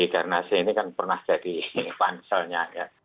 karena si ini kan pernah jadi fanselnya